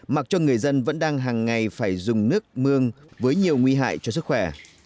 mặc cho người dân vẫn đang hàng ngày phải dùng nước mương với nhiều nguy hại cho sức khỏe